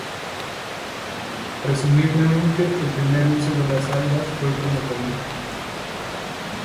Presumiblemente, el primer uso de las algas fue como comida.